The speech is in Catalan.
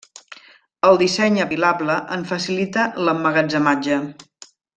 El disseny apilable en facilita l'emmagatzematge.